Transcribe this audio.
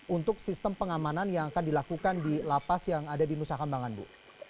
untuk sistem pengamanan yang akan dilakukan di lapas yang ada di nusa kambangan bu